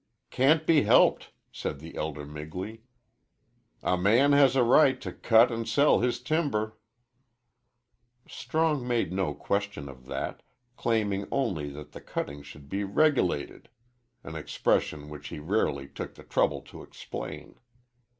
"Can't be helped," said the elder Migley. "A man has a right to cut and sell his timber." Strong made no question of that, claiming only that the cutting should be "reg'lated," an expression which he rarely took the trouble to explain.